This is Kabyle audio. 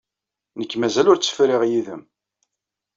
Nekk mazal ur tt-friɣ yid-m.